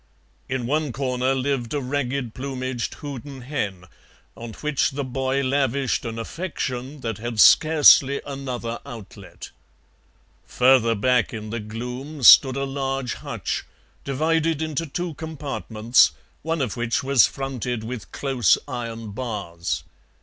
In one corner lived a ragged plumaged Houdan hen, on which the boy lavished an affection that had scarcely another outlet. Further back in the gloom stood a large hutch, divided into two compartments, one of which was fronted with close iron bars.